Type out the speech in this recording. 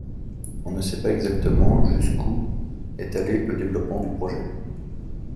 On ne sait pas exactement jusqu’où est allé le développement du projet.